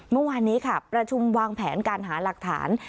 เมื่อวานนี้ค่ะประชุมวางแผนการหาหลักฐาน